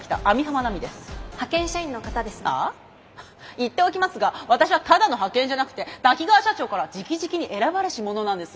言っておきますが私はただの派遣じゃなくて滝川社長からじきじきに選ばれし者なんです。